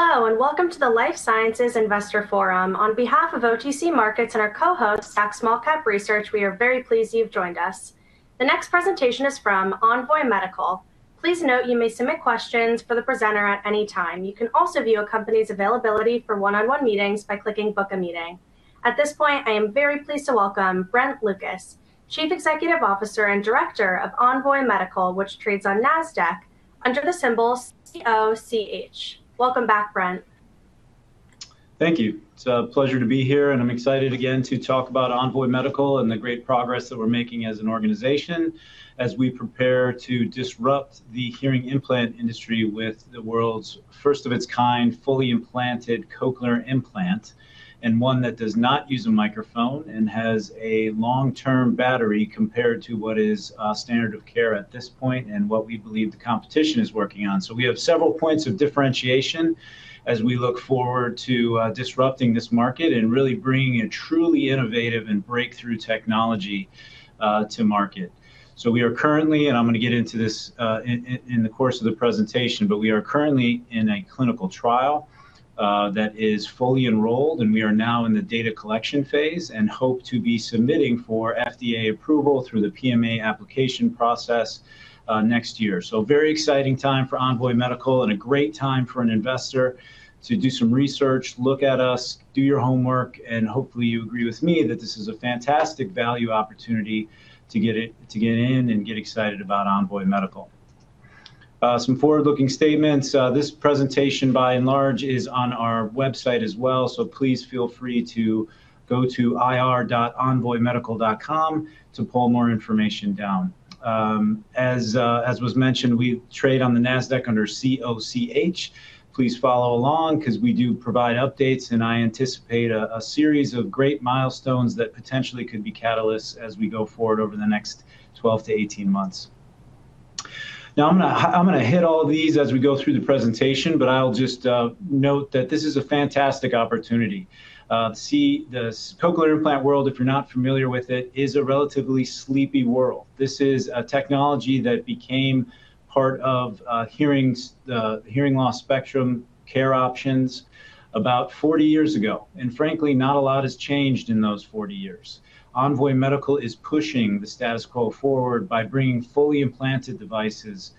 Hello, and welcome to the Life Sciences Investor Forum. On behalf of OTC Markets and our co-host, Zacks Small Cap Research, we are very pleased you've joined us. The next presentation is from Envoy Medical. Please note you may submit questions for the presenter at any time. You can also view a company's availability for one-on-one meetings by clicking "Book a Meeting." At this point, I am very pleased to welcome Brent Lucas, Chief Executive Officer and Director of Envoy Medical, which trades on NASDAQ under the symbol COCH. Welcome back, Brent. Thank you. It's a pleasure to be here, I'm excited again to talk about Envoy Medical and the great progress that we're making as an organization as we prepare to disrupt the hearing implant industry with the world's first of its kind fully implanted cochlear implant, one that does not use a microphone and has a long-term battery compared to what is standard of care at this point, what we believe the competition is working on. We have several points of differentiation as we look forward to disrupting this market and really bringing a truly innovative and breakthrough technology to market. We are currently, I'm going to get into this in the course of the presentation, we are currently in a clinical trial that is fully enrolled, we are now in the data collection phase and hope to be submitting for FDA approval through the PMA application process next year. Very exciting time for Envoy Medical and a great time for an investor to do some research, look at us, do your homework, and hopefully you agree with me that this is a fantastic value opportunity to get in and get excited about Envoy Medical. Some forward-looking statements. This presentation, by and large, is on our website as well, please feel free to go to ir.envoymedical.com to pull more information down. As was mentioned, we trade on the NASDAQ under COCH. Please follow along because we do provide updates, I anticipate a series of great milestones that potentially could be catalysts as we go forward over the next 12-18 months. Now, I'm going to hit all these as we go through the presentation, I'll just note that this is a fantastic opportunity. See, the cochlear implant world, if you're not familiar with it, is a relatively sleepy world. This is a technology that became part of hearing loss spectrum care options about 40 years ago. Frankly, not a lot has changed in those 40 years. Envoy Medical is pushing the status quo forward by bringing fully implanted devices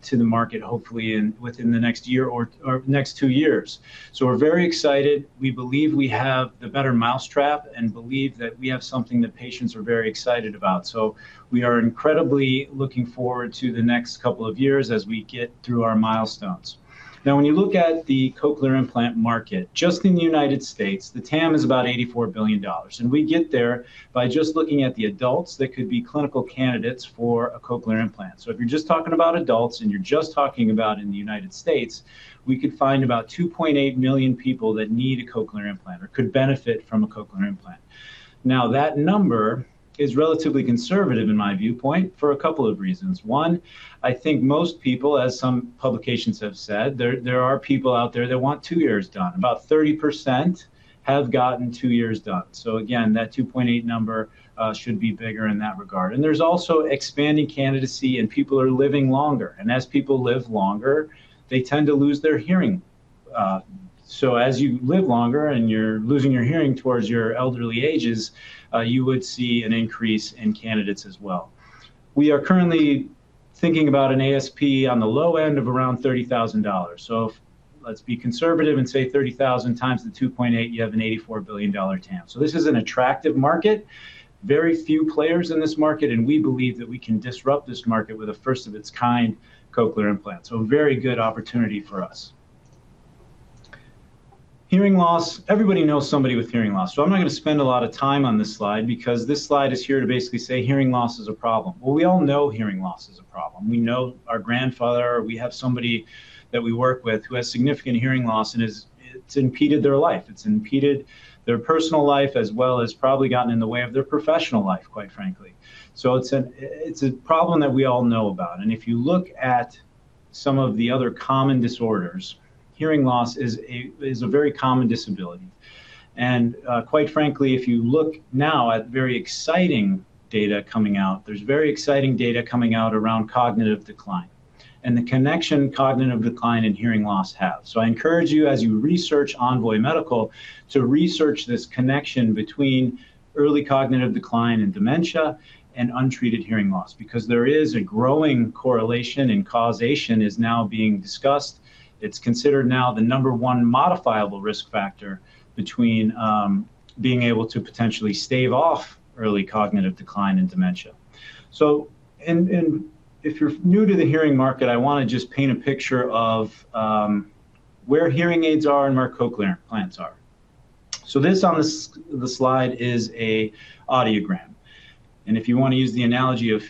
to the market, hopefully within the next year or next two years. We're very excited. We believe we have the better mousetrap and believe that we have something that patients are very excited about. We are incredibly looking forward to the next couple of years as we get through our milestones. When you look at the cochlear implant market, just in the U.S., the TAM is about $84 billion. We get there by just looking at the adults that could be clinical candidates for a cochlear implant. If you're just talking about adults and you're just talking about in the U.S., we could find about 2.8 million people that need a cochlear implant or could benefit from a cochlear implant. That number is relatively conservative in my viewpoint, for a couple of reasons. One, I think most people, as some publications have said, there are people out there that want two ears done. About 30% have gotten two ears done. Again, that 2.8 number should be bigger in that regard. There's also expanding candidacy and people are living longer. As people live longer, they tend to lose their hearing. As you live longer and you're losing your hearing towards your elderly ages, you would see an increase in candidates as well. We are currently thinking about an ASP on the low end of around $30,000. Let's be conservative and say 30,000 times the 2.8, you have an $84 billion TAM. This is an attractive market. Very few players in this market, and we believe that we can disrupt this market with a first of its kind cochlear implant. A very good opportunity for us. Hearing loss. Everybody knows somebody with hearing loss, I'm not going to spend a lot of time on this slide because this slide is here to basically say hearing loss is a problem. We all know hearing loss is a problem. We know our grandfather, or we have somebody that we work with who has significant hearing loss and it's impeded their life. It's impeded their personal life as well as probably gotten in the way of their professional life, quite frankly. It's a problem that we all know about. If you look at some of the other common disorders, hearing loss is a very common disability. Quite frankly, if you look now at very exciting data coming out, there's very exciting data coming out around cognitive decline and the connection cognitive decline and hearing loss have. I encourage you, as you research Envoy Medical, to research this connection between early cognitive decline and dementia and untreated hearing loss, because there is a growing correlation, and causation is now being discussed. It's considered now the number one modifiable risk factor between being able to potentially stave off early cognitive decline and dementia. If you're new to the hearing market, I want to just paint a picture of where hearing aids are and where cochlear implants are. This on the slide is an audiogram, and if you want to use the analogy of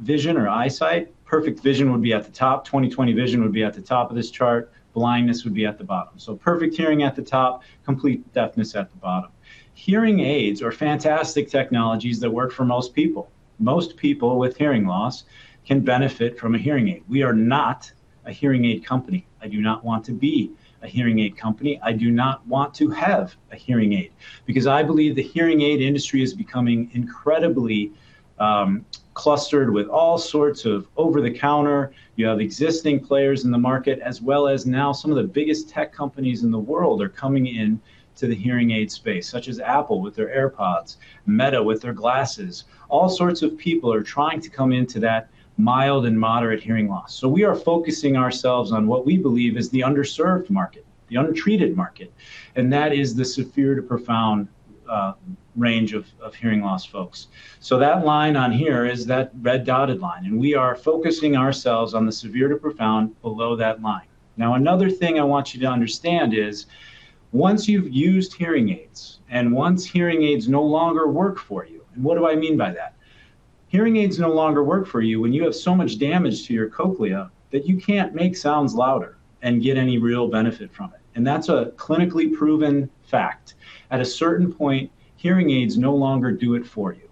vision or eyesight, perfect vision would be at the top. 20/20 vision would be at the top of this chart. Blindness would be at the bottom. Perfect hearing at the top, complete deafness at the bottom. Hearing aids are fantastic technologies that work for most people. Most people with hearing loss can benefit from a hearing aid. We are not a hearing aid company. I do not want to be a hearing aid company. I do not want to have a hearing aid because I believe the hearing aid industry is becoming incredibly clustered with all sorts of over-the-counter. You have existing players in the market, as well as now some of the biggest tech companies in the world are coming into the hearing aid space, such as Apple with their AirPods, Meta with their glasses. All sorts of people are trying to come into that mild and moderate hearing loss. We are focusing ourselves on what we believe is the underserved market, the untreated market, and that is the severe to profound A range of hearing loss folks. That line on here is that red dotted line, and we are focusing ourselves on the severe to profound below that line. Another thing I want you to understand is once you've used hearing aids and once hearing aids no longer work for you. What do I mean by that? Hearing aids no longer work for you when you have so much damage to your cochlea that you can't make sounds louder and get any real benefit from it. That's a clinically proven fact. At a certain point, hearing aids no longer do it for you.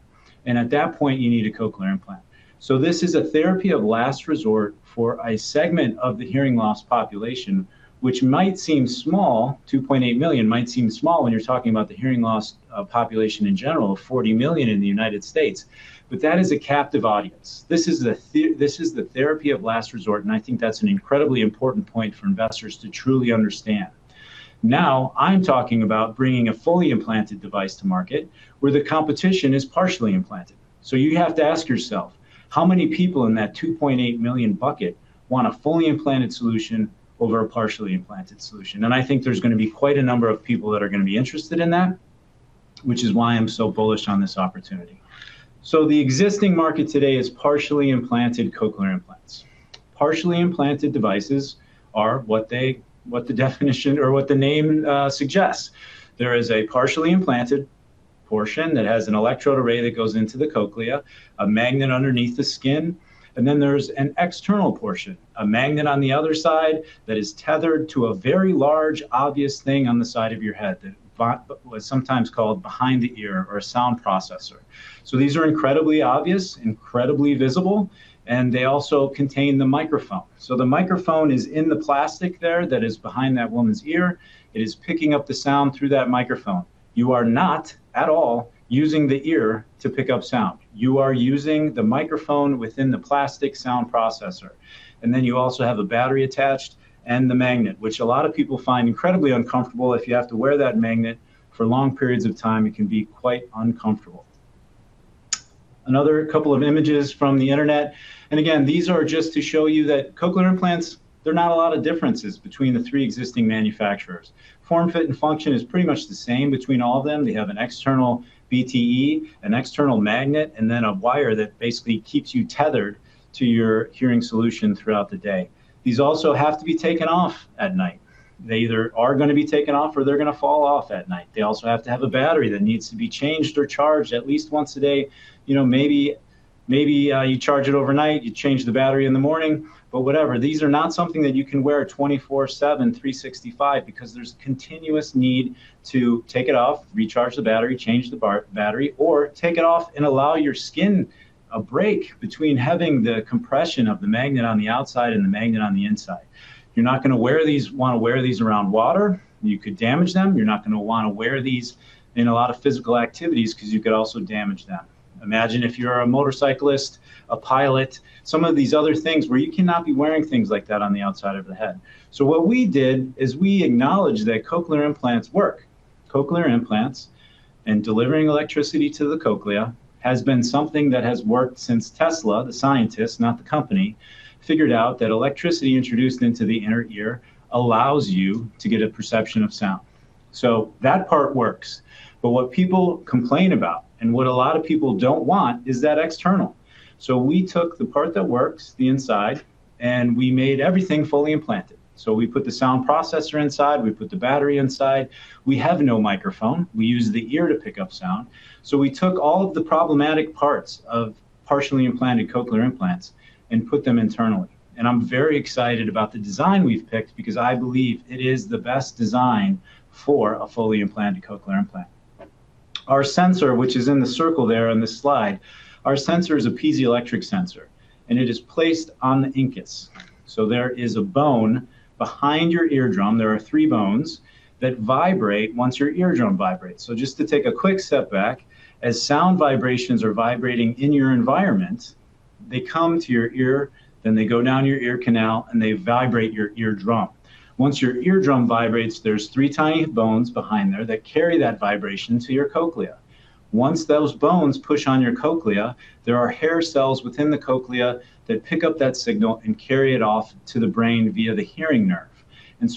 At that point, you need a cochlear implant. This is a therapy of last resort for a segment of the hearing loss population, which might seem small, 2.8 million might seem small when you're talking about the hearing loss population in general, 40 million in the U.S., but that is a captive audience. This is the therapy of last resort, I think that's an incredibly important point for investors to truly understand. I'm talking about bringing a fully implanted device to market where the competition is partially implanted. You have to ask yourself, how many people in that 2.8 million bucket want a fully implanted solution over a partially implanted solution? I think there's going to be quite a number of people that are going to be interested in that, which is why I'm so bullish on this opportunity. The existing market today is partially implanted cochlear implants. Partially implanted devices are what the definition or what the name suggests. There is a partially implanted portion that has an electrode array that goes into the cochlea, a magnet underneath the skin, then there's an external portion, a magnet on the other side that is tethered to a very large, obvious thing on the side of your head that was sometimes called behind-the-ear or a sound processor. These are incredibly obvious, incredibly visible, and they also contain the microphone. The microphone is in the plastic there that is behind that woman's ear. It is picking up the sound through that microphone. You are not at all using the ear to pick up sound. You are using the microphone within the plastic sound processor. Then you also have a battery attached and the magnet, which a lot of people find incredibly uncomfortable. If you have to wear that magnet for long periods of time, it can be quite uncomfortable. Another couple of images from the Internet. Again, these are just to show you that cochlear implants, there are not a lot of differences between the three existing manufacturers. Form, fit, and function is pretty much the same between all of them. They have an external BTE, an external magnet, and then a wire that basically keeps you tethered to your hearing solution throughout the day. These also have to be taken off at night. They either are going to be taken off or they're going to fall off at night. They also have to have a battery that needs to be changed or charged at least once a day. Maybe you charge it overnight, you change the battery in the morning. Whatever, these are not something that you can wear 24/7, 365 because there's continuous need to take it off, recharge the battery, change the battery, or take it off and allow your skin a break between having the compression of the magnet on the outside and the magnet on the inside. You're not going to want to wear these around water. You could damage them. You're not going to want to wear these in a lot of physical activities because you could also damage them. Imagine if you're a motorcyclist, a pilot, some of these other things where you cannot be wearing things like that on the outside of the head. What we did is we acknowledged that cochlear implants work. Cochlear implants and delivering electricity to the cochlea has been something that has worked since Tesla, the scientist, not the company, figured out that electricity introduced into the inner ear allows you to get a perception of sound. That part works. What people complain about and what a lot of people don't want is that external. We took the part that works, the inside, and we made everything fully implanted. We put the sound processor inside, we put the battery inside. We have no microphone. We use the ear to pick up sound. We took all of the problematic parts of partially implanted cochlear implants and put them internally. I'm very excited about the design we've picked because I believe it is the best design for a fully implanted cochlear implant. Our sensor, which is in the circle there on this slide, our sensor is a piezoelectric sensor, and it is placed on the incus. There is a bone behind your eardrum. There are three bones that vibrate once your eardrum vibrates. Just to take a quick step back, as sound vibrations are vibrating in your environment, they come to your ear, then they go down your ear canal, and they vibrate your eardrum. Once your eardrum vibrates, there's three tiny bones behind there that carry that vibration to your cochlea. Once those bones push on your cochlea, there are hair cells within the cochlea that pick up that signal and carry it off to the brain via the hearing nerve.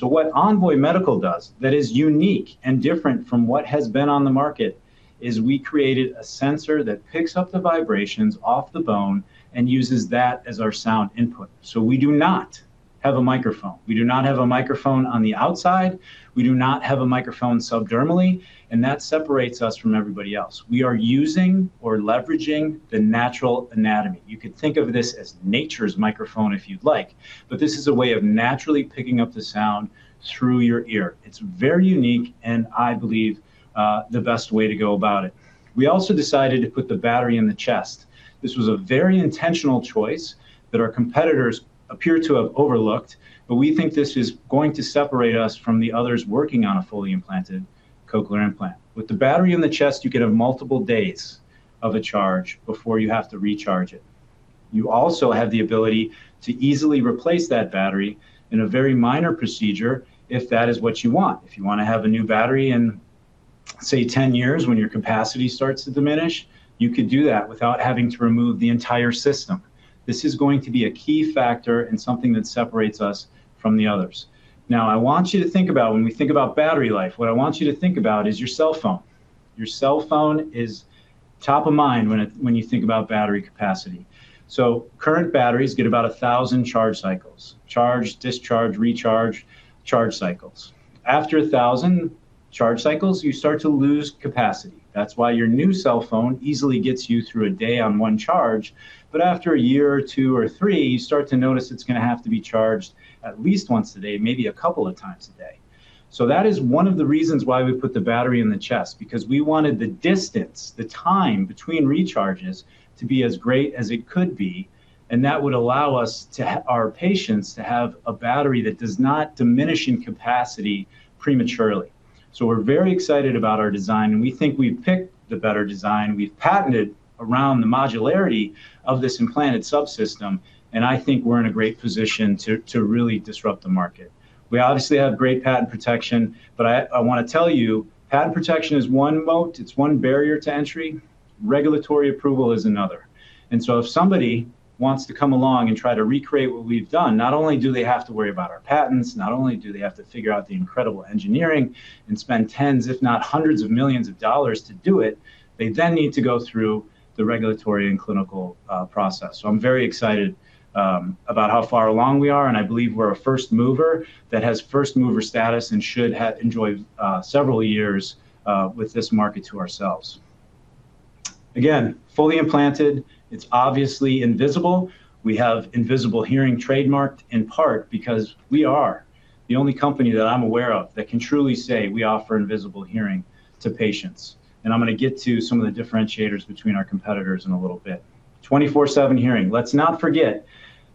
What Envoy Medical does that is unique and different from what has been on the market is we created a sensor that picks up the vibrations off the bone and uses that as our sound input. We do not have a microphone. We do not have a microphone on the outside. We do not have a microphone subdermally, and that separates us from everybody else. We are using or leveraging the natural anatomy. You could think of this as nature's microphone if you'd like. This is a way of naturally picking up the sound through your ear. It's very unique and I believe the best way to go about it. We also decided to put the battery in the chest. This was a very intentional choice that our competitors appear to have overlooked, but we think this is going to separate us from the others working on a fully implanted cochlear implant. With the battery in the chest, you could have multiple days of a charge before you have to recharge it. You also have the ability to easily replace that battery in a very minor procedure if that is what you want. If you want to have a new battery in, say, 10 years when your capacity starts to diminish, you could do that without having to remove the entire system. This is going to be a key factor and something that separates us from the others. I want you to think about when we think about battery life, what I want you to think about is your cell phone. Your cell phone is top of mind when you think about battery capacity. Current batteries get about 1,000 charge cycles. Charge, discharge, recharge, charge cycles. After 1,000 charge cycles, you start to lose capacity. That's why your new cell phone easily gets you through a day on one charge, but after a year or two or three, you start to notice it's going to have to be charged at least once a day, maybe a couple of times a day. That is one of the reasons why we put the battery in the chest, because we wanted the distance, the time between recharges to be as great as it could be, and that would allow our patients to have a battery that does not diminish in capacity prematurely. We're very excited about our design, and we think we've picked the better design. We've patented around the modularity of this implanted subsystem, and I think we're in a great position to really disrupt the market. We obviously have great patent protection. I want to tell you, patent protection is one moat. It's one barrier to entry. Regulatory approval is another. If somebody wants to come along and try to recreate what we've done, not only do they have to worry about our patents, not only do they have to figure out the incredible engineering and spend tens, if not $100 million to do it, they need to go through the regulatory and clinical process. I'm very excited about how far along we are, and I believe we're a first mover that has first-mover status and should enjoy several years with this market to ourselves. Again, fully implanted. It's obviously Invisible Hearing. We have Invisible Hearing trademarked, in part because we are the only company that I'm aware of that can truly say we offer Invisible Hearing to patients. I'm going to get to some of the differentiators between our competitors in a little bit. 24/7 hearing. Let's not forget,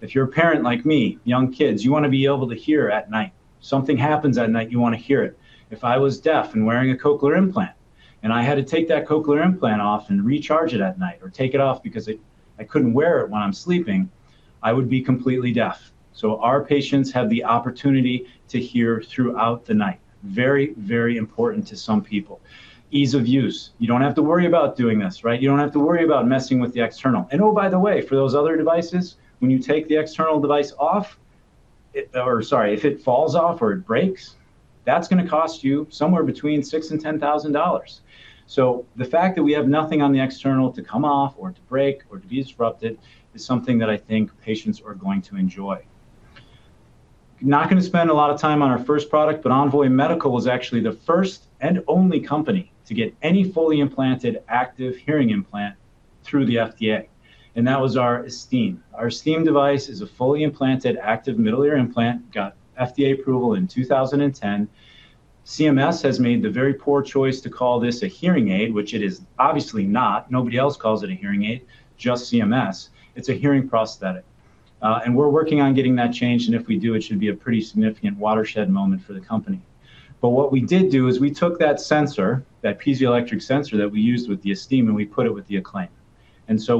if you're a parent like me, young kids, you want to be able to hear at night. Something happens at night, you want to hear it. If I was deaf and wearing a cochlear implant and I had to take that cochlear implant off and recharge it at night, or take it off because I couldn't wear it when I'm sleeping, I would be completely deaf. Our patients have the opportunity to hear throughout the night. Very, very important to some people. Ease of use. You don't have to worry about doing this. You don't have to worry about messing with the external. Oh, by the way, for those other devices, when you take the external device off, or sorry, if it falls off or it breaks, that's going to cost you somewhere between $6,000-$10,000. The fact that we have nothing on the external to come off or to break or to be disrupted is something that I think patients are going to enjoy. Not going to spend a lot of time on our first product, Envoy Medical was actually the first and only company to get any fully implanted active hearing implant through the FDA, and that was our Esteem. Our Esteem device is a fully implanted active middle ear implant, got FDA approval in 2010. CMS has made the very poor choice to call this a hearing aid, which it is obviously not. Nobody else calls it a hearing aid, just CMS. It's a hearing prosthetic. We're working on getting that changed, and if we do, it should be a pretty significant watershed moment for the company. What we did do is we took that sensor, that piezoelectric sensor that we used with the Esteem, and we put it with the Acclaim.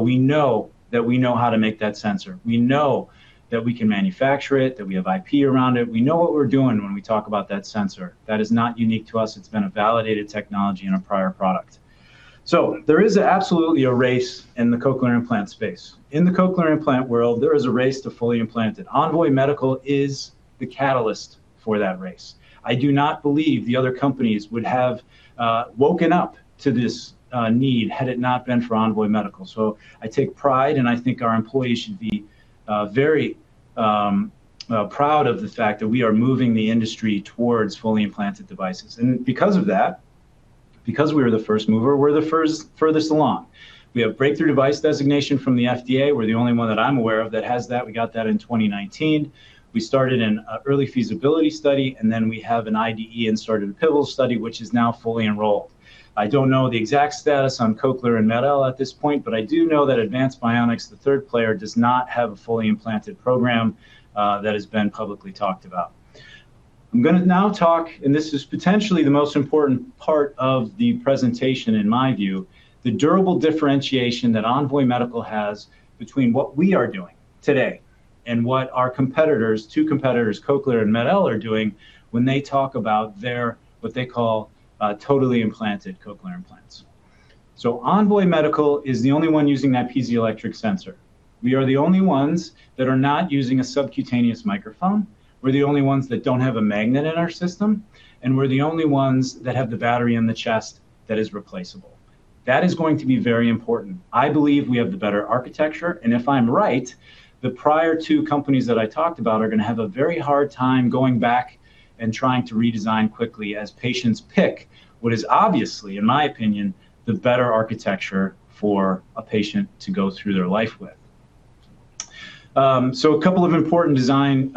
We know that we know how to make that sensor. We know that we can manufacture it, that we have IP around it. We know what we're doing when we talk about that sensor. That is not unique to us. It's been a validated technology in a prior product. There is absolutely a race in the cochlear implant space. In the cochlear implant world, there is a race to fully implanted. Envoy Medical is the catalyst for that race. I do not believe the other companies would have woken up to this need had it not been for Envoy Medical. I take pride, and I think our employees should be very proud of the fact that we are moving the industry towards fully implanted devices. Because of that, because we are the first mover, we are the furthest along. We have Breakthrough Device Designation from the FDA. We are the only one that I am aware of that has that. We got that in 2019. We started an early feasibility study, and then we have an IDE and started a pivotal study, which is now fully enrolled. I do not know the exact status on Cochlear and MED-EL at this point, but I do know that Advanced Bionics, the third player, does not have a fully implanted program that has been publicly talked about. I am going to now talk, and this is potentially the most important part of the presentation in my view, the durable differentiation that Envoy Medical has between what we are doing today and what our competitors, two competitors, Cochlear and MED-EL, are doing when they talk about their, what they call Totally Implantable Cochlear Implants. Envoy Medical is the only one using that piezoelectric sensor. We are the only ones that are not using a subcutaneous microphone. We are the only ones that do not have a magnet in our system, and we are the only ones that have the battery in the chest that is replaceable. That is going to be very important. I believe we have the better architecture, and if I am right, the prior two companies that I talked about are going to have a very hard time going back and trying to redesign quickly as patients pick what is obviously, in my opinion, the better architecture for a patient to go through their life with. A couple of important design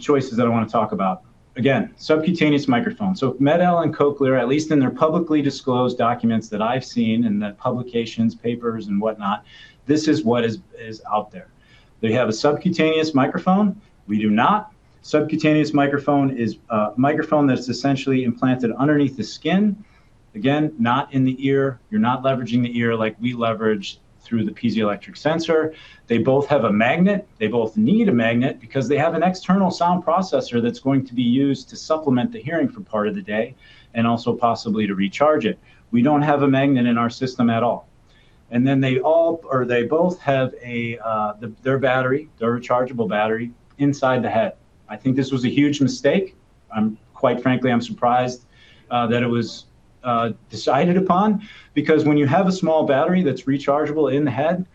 choices that I want to talk about. Again, subcutaneous microphone. MED-EL and Cochlear, at least in their publicly disclosed documents that I have seen in their publications, papers and whatnot, this is what is out there. They have a subcutaneous microphone. We do not. Subcutaneous microphone is a microphone that is essentially implanted underneath the skin. Again, not in the ear. You are not leveraging the ear like we leverage through the piezoelectric sensor. They both have a magnet. They both need a magnet because they have an external sound processor that is going to be used to supplement the hearing for part of the day and also possibly to recharge it. We do not have a magnet in our system at all. Then they both have their rechargeable battery inside the head. I think this was a huge mistake. Quite frankly, I am surprised that it was decided upon, because when you have a small battery that is rechargeable in the head,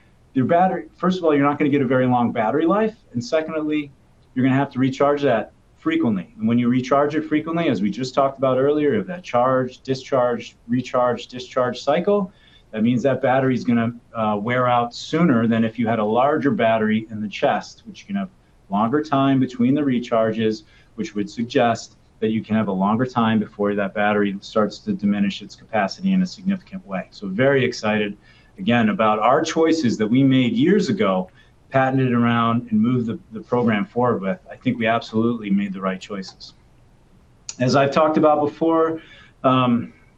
first of all, you are not going to get a very long battery life, and secondly, you are going to have to recharge that frequently. When you recharge it frequently, as we just talked about earlier, you have that charge, discharge, recharge, discharge cycle. That means that battery's going to wear out sooner than if you had a larger battery in the chest, which you can have longer time between the recharges, which would suggest that you can have a longer time before that battery starts to diminish its capacity in a significant way. Very excited, again, about our choices that we made years ago, patented around, and moved the program forward with. I think we absolutely made the right choices. As I've talked about before,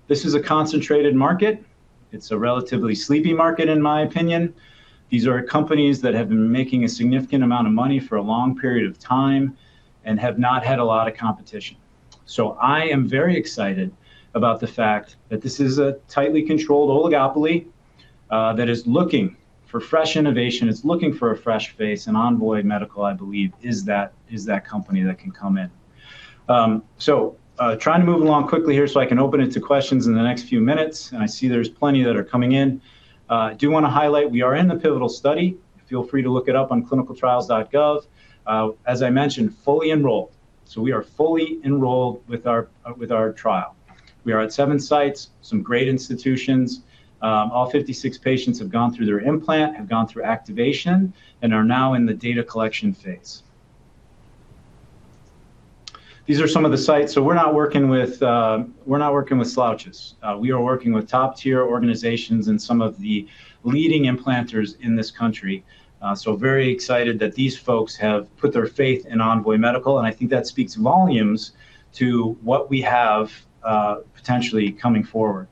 this is a concentrated market. It's a relatively sleepy market, in my opinion. These are companies that have been making a significant amount of money for a long period of time and have not had a lot of competition. I am very excited about the fact that this is a tightly controlled oligopoly that is looking for fresh innovation, it's looking for a fresh face, and Envoy Medical, I believe, is that company that can come in. Trying to move along quickly here so I can open it to questions in the next few minutes. I see there's plenty that are coming in. I do want to highlight, we are in the pivotal study. Feel free to look it up on clinicaltrials.gov. As I mentioned, fully enrolled. We are fully enrolled with our trial. We are at seven sites, some great institutions. All 56 patients have gone through their implant, have gone through activation, and are now in the data collection phase. These are some of the sites. We're not working with slouches. We are working with top-tier organizations and some of the leading implanters in this country. Very excited that these folks have put their faith in Envoy Medical, and I think that speaks volumes to what we have potentially coming forward.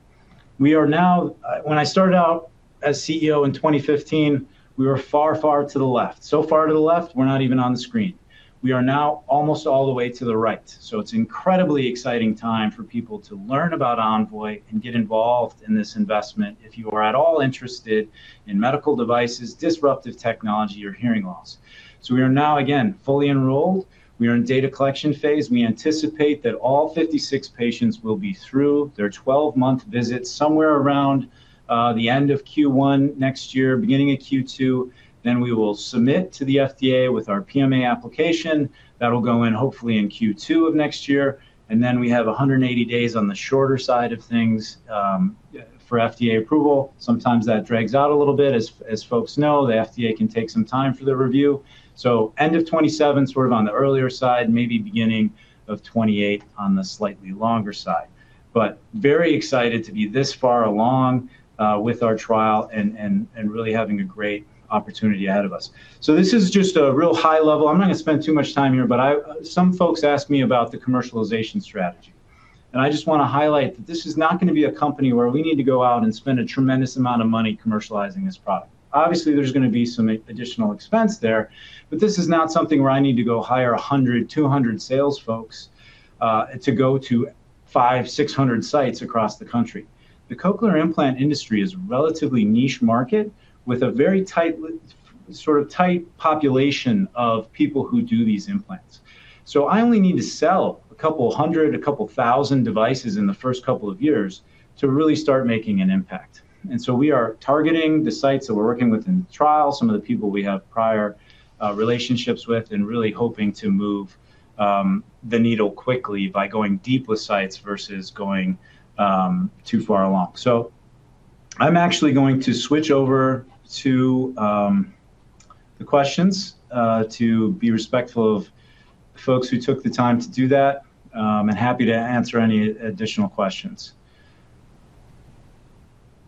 When I started out as CEO in 2015, we were far to the left, so far to the left, we're not even on the screen. We are now almost all the way to the right. It's incredibly exciting time for people to learn about Envoy and get involved in this investment if you are at all interested in medical devices, disruptive technology, or hearing loss. We are now, again, fully enrolled. We are in data collection phase. We anticipate that all 56 patients will be through their 12-month visit somewhere around the end of Q1 next year, beginning of Q2. We will submit to the FDA with our PMA application. That'll go in, hopefully in Q2 of next year. We have 180 days on the shorter side of things for FDA approval. Sometimes that drags out a little bit. As folks know, the FDA can take some time for their review. End of 2027, on the earlier side, maybe beginning of 2028 on the slightly longer side. Very excited to be this far along with our trial and really having a great opportunity ahead of us. This is just a real high level. I'm not going to spend too much time here, but some folks ask me about the commercialization strategy. I just want to highlight that this is not going to be a company where we need to go out and spend a tremendous amount of money commercializing this product. Obviously, there's going to be some additional expense there. This is not something where I need to go hire 100, 200 sales folks to go to 500, 600 sites across the country. The cochlear implant industry is a relatively niche market with a very tight population of people who do these implants. I only need to sell a couple of hundred, a couple of thousand devices in the first couple of years to really start making an impact. We are targeting the sites that we're working with in the trial, some of the people we have prior relationships with, and really hoping to move the needle quickly by going deep with sites versus going too far along. I'm actually going to switch over to the questions to be respectful of folks who took the time to do that, and happy to answer any additional questions.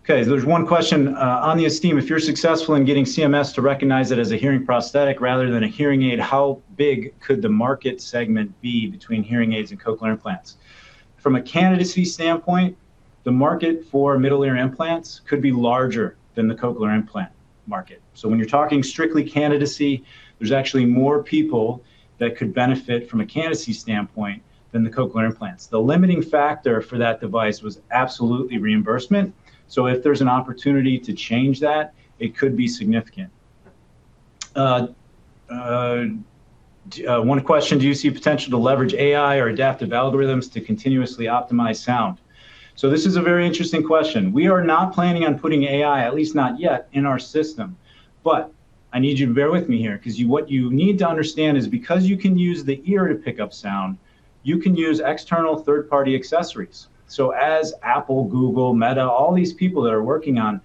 There's one question. "On the Esteem, if you're successful in getting CMS to recognize it as a hearing prosthetic rather than a hearing aid, how big could the market segment be between hearing aids and cochlear implants?" From a candidacy standpoint, the market for middle ear implants could be larger than the cochlear implant market. When you're talking strictly candidacy, there's actually more people that could benefit from a candidacy standpoint than the cochlear implants. The limiting factor for that device was absolutely reimbursement, if there's an opportunity to change that, it could be significant. One question, "Do you see potential to leverage AI or adaptive algorithms to continuously optimize sound?" This is a very interesting question. We are not planning on putting AI, at least not yet, in our system. I need you to bear with me here, because what you need to understand is because you can use the ear to pick up sound, you can use external third-party accessories. As Apple, Google, Meta, all these people that are working on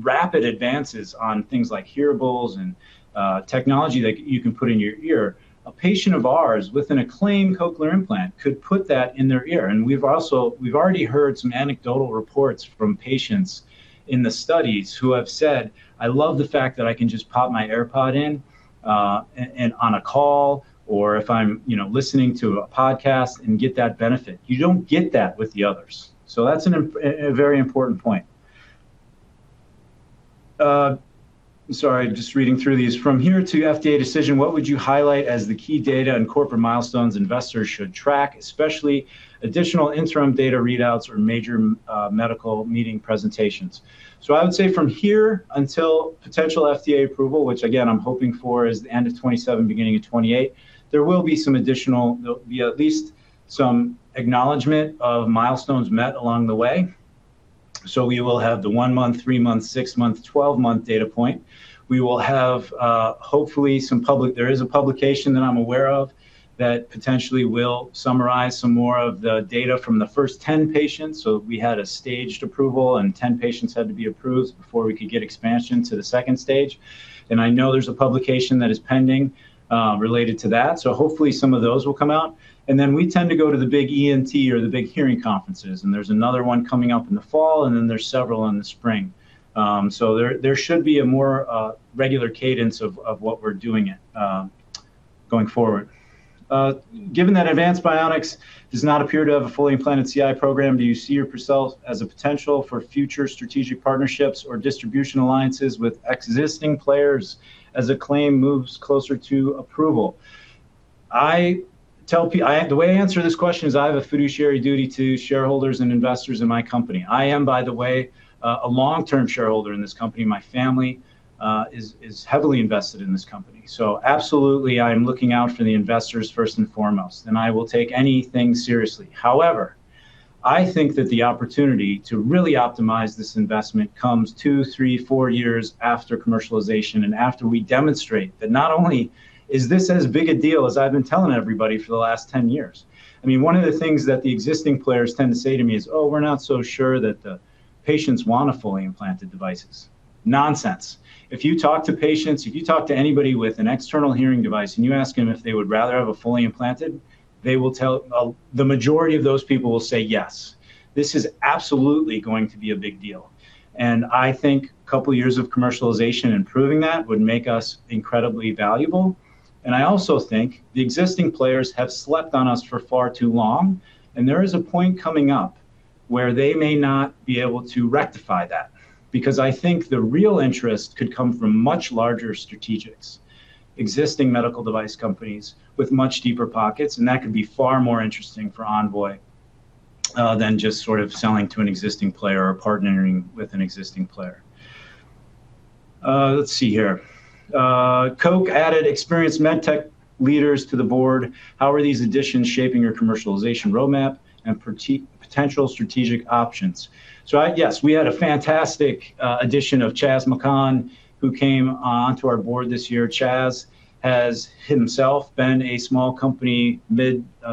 rapid advances on things like hearables and technology that you can put in your ear, a patient of ours with an Acclaim cochlear implant could put that in their ear. We've already heard some anecdotal reports from patients in the studies who have said, "I love the fact that I can just pop my AirPod in on a call, or if I'm listening to a podcast, and get that benefit." You don't get that with the others. That's a very important point. I'm sorry, I'm just reading through these. From here to FDA decision, what would you highlight as the key data and corporate milestones investors should track, especially additional interim data readouts or major medical meeting presentations? I would say from here until potential FDA approval, which again, I'm hoping for is the end of 2027, beginning of 2028, there will be at least some acknowledgment of milestones met along the way. We will have the one month, three month, six month, 12 month data point. We will have, hopefully, there is a publication that I'm aware of that potentially will summarize some more of the data from the first 10 patients. We had a staged approval, 10 patients had to be approved before we could get expansion to the second stage. I know there's a publication that is pending, related to that. Hopefully, some of those will come out. Then we tend to go to the big ENT or the big hearing conferences, there's another one coming up in the fall, then there's several in the spring. There should be a more regular cadence of what we're doing going forward. Given that Advanced Bionics does not appear to have a fully implanted CI program, do you see or yourself as a potential for future strategic partnerships or distribution alliances with existing players as Acclaim moves closer to approval? The way I answer this question is I have a fiduciary duty to shareholders and investors in my company. I am, by the way, a long-term shareholder in this company. My family is heavily invested in this company. Absolutely, I am looking out for the investors first and foremost, and I will take anything seriously. However, I think that the opportunity to really optimize this investment comes two, three, four years after commercialization and after we demonstrate that not only is this as big a deal as I've been telling everybody for the last 10 years. One of the things that the existing players tend to say to me is, "Oh, we're not so sure that the patients want a fully implanted devices." Nonsense. If you talk to patients, if you talk to anybody with an external hearing device, and you ask them if they would rather have a fully implanted, the majority of those people will say yes. This is absolutely going to be a big deal. I think a couple of years of commercialization and proving that would make us incredibly valuable. I also think the existing players have slept on us for far too long, there is a point coming up where they may not be able to rectify that. I think the real interest could come from much larger strategics, existing medical device companies with much deeper pockets, and that could be far more interesting for Envoy, than just sort of selling to an existing player or partnering with an existing player. Let's see here. COCH added experienced med tech leaders to the board. How are these additions shaping your commercialization roadmap and potential strategic options? Yes, we had a fantastic addition of Chas McKhann, who came onto our board this year. Chas has himself been a small company,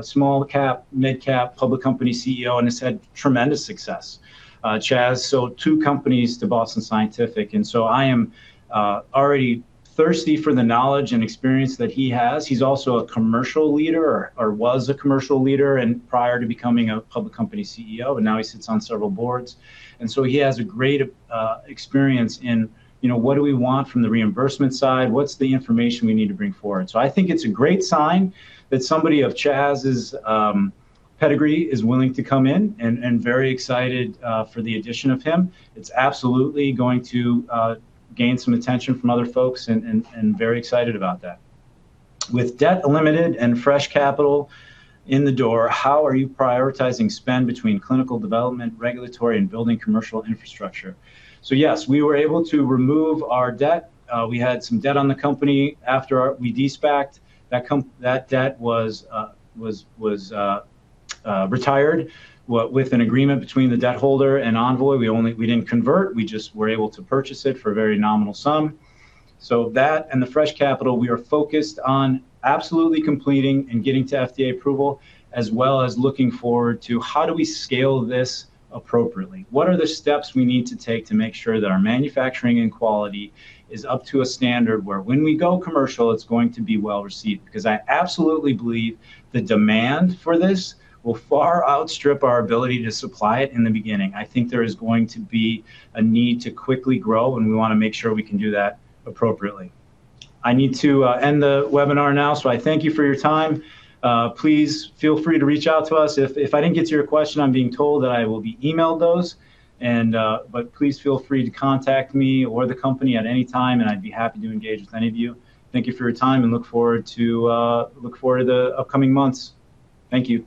small cap, mid cap public company CEO and has had tremendous success. Chas sold two companies to Boston Scientific, I am already thirsty for the knowledge and experience that he has. He's also a commercial leader or was a commercial leader, prior to becoming a public company CEO, and now he sits on several boards. He has a great experience in what do we want from the reimbursement side? What's the information we need to bring forward? I think it's a great sign that somebody of Chas's pedigree is willing to come in and very excited for the addition of him. It's absolutely going to gain some attention from other folks and very excited about that. With debt limited and fresh capital in the door, how are you prioritizing spend between clinical development, regulatory, and building commercial infrastructure? Yes, we were able to remove our debt. We had some debt on the company after we de-SPAC'd. That debt was retired with an agreement between the debt holder and Envoy. We didn't convert. We just were able to purchase it for a very nominal sum. That and the fresh capital, we are focused on absolutely completing and getting to FDA approval, as well as looking forward to how do we scale this appropriately? What are the steps we need to take to make sure that our manufacturing and quality is up to a standard where when we go commercial, it's going to be well-received? Because I absolutely believe the demand for this will far outstrip our ability to supply it in the beginning. I think there is going to be a need to quickly grow, and we want to make sure we can do that appropriately. I need to end the webinar now. I thank you for your time. Please feel free to reach out to us. If I didn't get to your question, I'm being told that I will be emailed those. Please feel free to contact me or the company at any time, and I'd be happy to engage with any of you. Thank you for your time, and look forward to the upcoming months. Thank you.